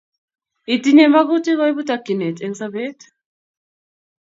Itinye makutik ko ipu takchinet eng sopet